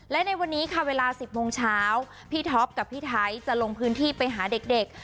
และในวันนี้ค่ะเวลา๑๐โมงเช้าพี่ท็อปกับพี่ไทยจะลงพื้นที่ไปหาเด็ก